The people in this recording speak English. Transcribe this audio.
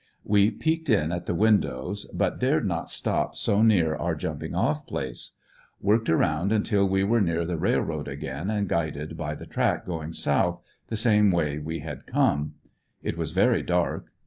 We peeked in at the windows, but dared not stop so near our jumping off place. Worked around until we were near the rail road again and guided by the track going south — the same way we FINAL ESCAPE. 137 had come. It was very dark.